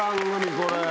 これ。